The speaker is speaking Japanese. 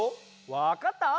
わかった？